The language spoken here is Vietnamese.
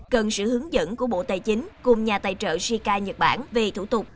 cần sự hướng dẫn của bộ tài chính cùng nhà tài trợ shikai nhật bản về thủ tục